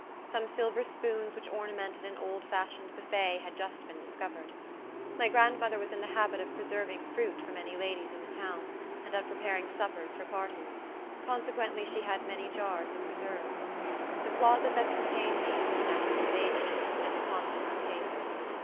Some silver spoons which ornamented an old fashioned buffet had just been discovered. My grandmother was in the habit of preserving fruit for many ladies in the town, and of preparing suppers for parties; consequently she had many jars of preserves. The closet that contained these was next invaded, and the contents tasted.